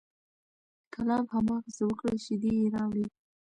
کلاب هماغسې وکړل، شیدې یې راوړې،